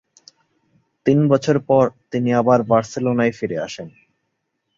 তিন বছর পর তিনি আবার বার্সেলোনায় ফিরে আসেন।